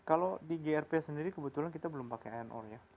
kalau di grp sendiri kebetulan kita belum pakai anor ya